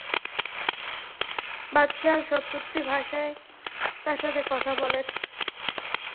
বাদশাহ সত্ত্বরটি ভাষায় তাঁর সাথে কথা বলেন।